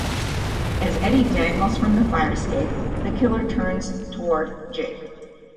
As Eddie dangles from the fire escape, the killer turns toward Jake.